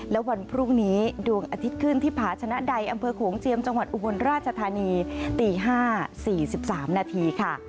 และวันพรุ่งนี้ดวงอาทิตย์ขึ้นที่ผาชนะใดอำเภอโขงเจียมจังหวัดอุบลราชธานีตี๕๔๓นาทีค่ะ